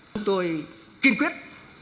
chúng tôi kiên quyết